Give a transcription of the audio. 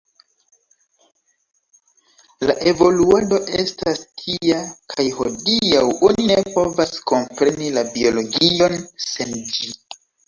La evoluado estas tia kaj hodiaŭ oni ne povas kompreni la biologion sen ĝi.